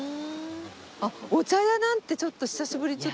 あっお茶屋なんてちょっと久しぶり。